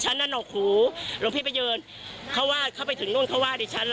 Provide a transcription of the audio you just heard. นั่นหกหูหลวงพี่ไปยืนเขาว่าเขาไปถึงนู่นเขาว่าดิฉันล่ะ